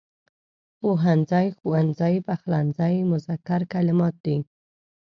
پوهنځی، ښوونځی، پخلنځی مذکر کلمات دي.